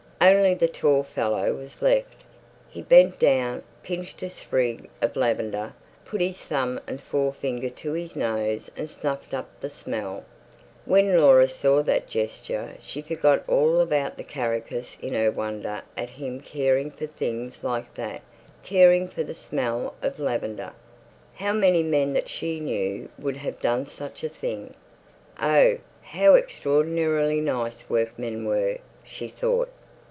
Only the tall fellow was left. He bent down, pinched a sprig of lavender, put his thumb and forefinger to his nose and snuffed up the smell. When Laura saw that gesture she forgot all about the karakas in her wonder at him caring for things like that—caring for the smell of lavender. How many men that she knew would have done such a thing? Oh, how extraordinarily nice workmen were, she thought.